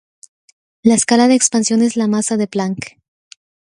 La escala de expansión es la masa de Planck.